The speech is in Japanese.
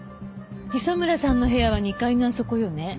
磯村さんの部屋は２階のあそこよね。